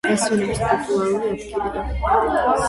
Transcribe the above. დასვენების პოპულარული ადგილია.